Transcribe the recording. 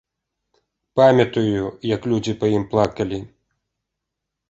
Памятаю, як людзі па ім плакалі.